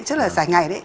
chứ là giải ngày đấy